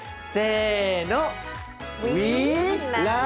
せの。